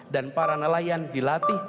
dan para nelayan dilatih